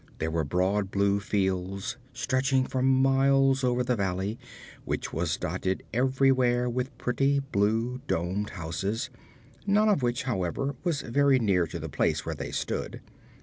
There were broad blue fields stretching for miles over the valley, which was dotted everywhere with pretty, blue domed houses, none of which, however, was very near to the place where they stood.